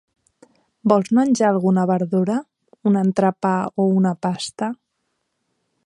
Vol menjar alguna verdura, un entrepà o una pasta?